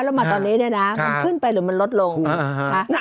แล้วมาตอนนี้เนี่ยนะมันขึ้นไปหรือมันลดลง